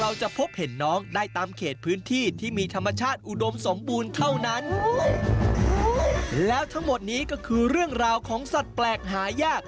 และทั้งหมดนี้ก็คือเรื่องราวของสัตว์แปลกหายาก